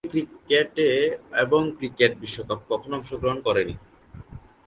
Olympic cricket এবং cricket বিশ্বকাপ: কখনও অংশগ্রহণ করেনি।